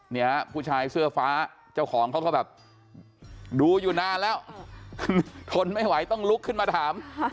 เนี่ยผู้ชายเสื้อฟ้าเจ้าของเขาก็แบบดูอยู่นานแล้วทนไม่ไหวต้องลุกขึ้นมาถาม